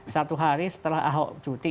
satu hari setelah ahok cuti